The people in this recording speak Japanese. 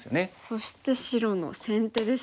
そして白の先手ですね。